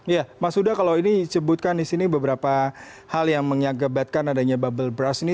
ya mas huda kalau ini disebutkan di sini beberapa hal yang mengagebatkan adanya bubble brush ini